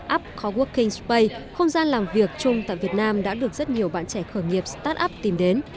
up coworking space không gian làm việc chung tại việt nam đã được rất nhiều bạn trẻ khởi nghiệp start up tìm đến